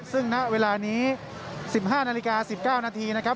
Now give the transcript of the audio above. ซึ่งณเวลานี้๑๕นาฬิกา๑๙นาทีนะครับ